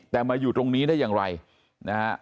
แต่มาอยู่ตรงนี้ได้อย่างไรนะฮะ